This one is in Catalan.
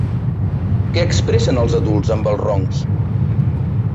Què expressen els adults amb els roncs?